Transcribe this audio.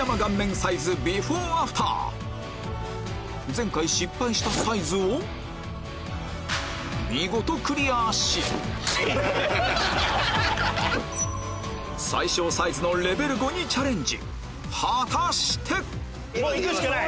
前回失敗したサイズを見事クリア最小サイズのレベル５にチャレンジ果たして⁉行くしかない！